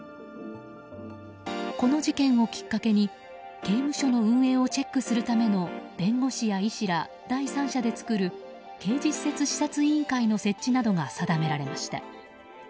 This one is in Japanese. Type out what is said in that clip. この事件をきっかけに刑務所の運営をチェックするための弁護士や医師ら第三者で作る刑事施設視察委員会の設置などが定められました。